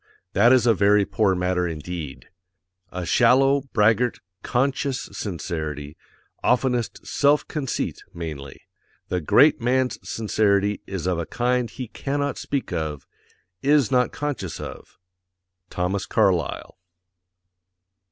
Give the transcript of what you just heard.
That is a very poor matter indeed_ A SHALLOW, BRAGGART, CONSCIOUS sincerity, oftenest SELF CONCEIT mainly. The GREAT MAN'S SINCERITY is of a kind he CANNOT SPEAK OF. Is NOT CONSCIOUS of. THOMAS CARLYLE.